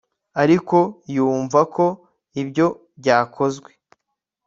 ariko yumva ko ibyo byakozwe